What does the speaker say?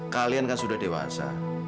kalian kan sudah dewasa